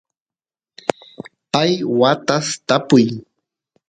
pay watas tapu